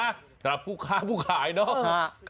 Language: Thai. สำหรับผู้ค้าผู้ขายเนาะ